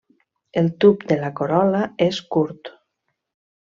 El tub de la corol·la és curt.